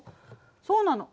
そうなの。